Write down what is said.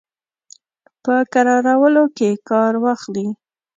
په کرارولو کې کار واخلي.